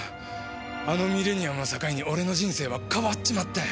あのミレニアムを境に俺の人生は変わっちまったよ。